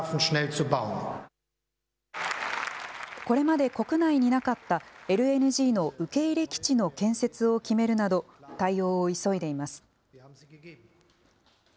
これまで国内になかったＬＮＧの受け入れ基地の建設を決めるなど対応を急いでいます。